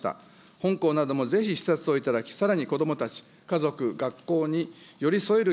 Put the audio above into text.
本校などもぜひ視察を頂き、さらに子どもたち、家族、学校に寄り添える